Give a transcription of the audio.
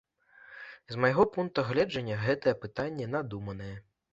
З майго пункту гледжання, гэтае пытанне надуманае.